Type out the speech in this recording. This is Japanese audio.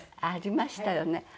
ありましたよね。